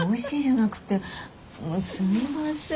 もうすみません。